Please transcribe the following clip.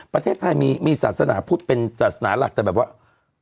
ประเทศไทยมีศาสนาพุทธเป็นศาสนาหลักแต่แบบว่า